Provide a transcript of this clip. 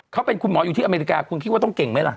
เขาเป็นคุณหมออยู่ที่อเมริกาคุณคิดว่าต้องเก่งไหมล่ะ